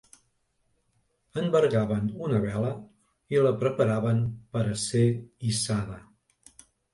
Envergaven una vela, i la preparaven per a ser hissada.